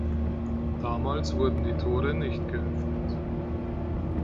Damals wurden die Tore nicht geöffnet.